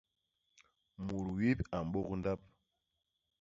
Mut wip a mbôk ndap.